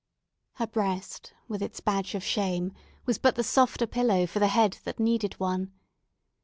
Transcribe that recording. Her breast, with its badge of shame, was but the softer pillow for the head that needed one.